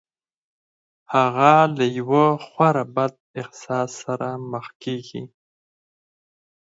هغه له يوه خورا بد احساس سره مخ کېږي.